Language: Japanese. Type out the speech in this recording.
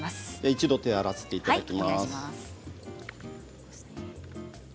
一度手を洗わせていただきます。